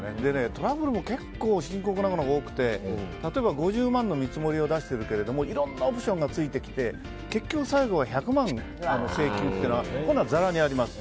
トラブルも結構深刻なものが多くて例えば５０万の見積もりを出しているけれどもいろんなオプションがついてきて結局、最後は１００万円請求来るなんてざらにあります。